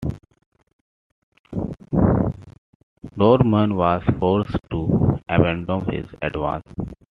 Doorman was forced to abandon his advance.